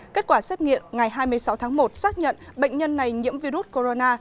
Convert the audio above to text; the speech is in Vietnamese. kết quả xét nghiệm ngày hai mươi sáu tháng một xác nhận bệnh nhân này nhiễm virus corona